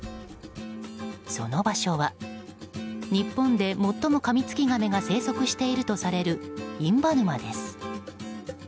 その場所は日本で最もカミツキガメが生息しているとされる印旛沼です。